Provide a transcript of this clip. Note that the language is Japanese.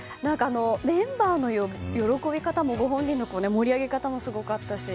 メンバーの喜び方もご本人の盛り上げ方もすごかったし。